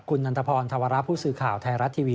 คุณนันทพรธวระผู้สื่อข่าวไทยรัฐทีวี